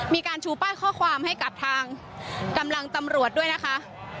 มีการชูป้ายข้อความให้กับทางกำลังตำรวจด้วยนะคะ